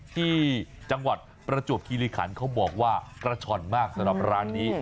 ที่จังหวัดประจวบคิริขันเขาบอกว่ากระช่อนมากสำหรับร้านนี้